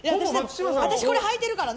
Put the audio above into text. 私、これ履いてるからね。